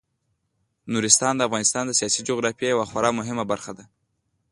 نورستان د افغانستان د سیاسي جغرافیې یوه خورا مهمه برخه ده.